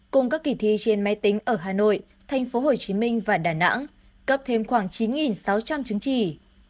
cùng các kỳ thi trên máy tính ở hà nội tp hcm và đà nẵng cấp thêm khoảng chín sáu trăm linh chứng chỉ